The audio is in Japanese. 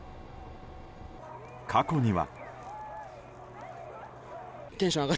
過去には。